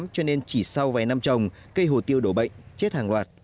cho nên chỉ sau vài năm trồng cây hồ tiêu đổ bệnh chết hàng loạt